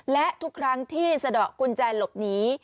และทุกครั้งที่สะดอกกุญแจหลบหนี